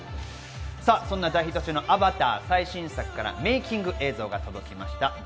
そんな大ヒット中の『アバター』最新作からメイキング映像が届きました。